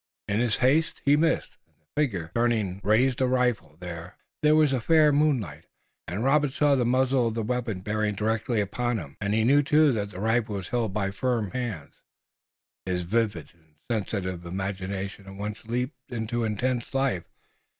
In his haste he missed, and the figure, turning, raised a rifle. There was a fair moonlight and Robert saw the muzzle of the weapon bearing directly upon him, and he knew too that the rifle was held by firm hands. His vivid and sensitive imagination at once leaped into intense life.